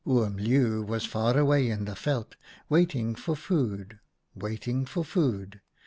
" Oom Leeuw was far away in the veld, waiting for food, waiting for food.